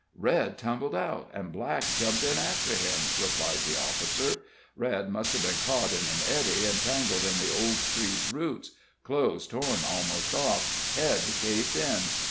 "Red tumbled out, and Black jumped in after him," replied the officer. "Red must have been caught in an eddy and tangled in the old tree's roots clothes torn almost off head caved in.